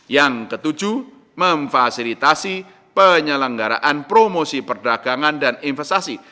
yang ketujuh memfasilitasi penyelenggaraan promosi perdagangan dan investasi